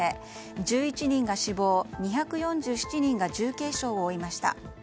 １１人が死亡２４７人が重軽傷を負いました。